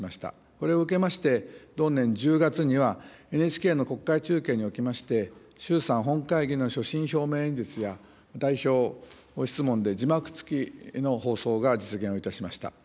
これを受けまして、同年１０月には、ＮＨＫの国会中継におきまして、衆参本会議の所信表明演説や代表質問で、字幕付きの放送が実現をいたしました。